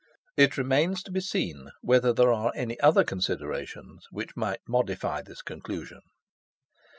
It remains to be seen whether there are any other considerations which might modify this conclusion.